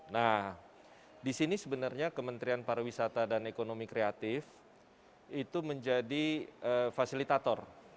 nah di sini sebenarnya kementerian pariwisata dan ekonomi kreatif itu menjadi fasilitator